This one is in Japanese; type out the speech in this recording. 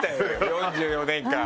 ４４年間。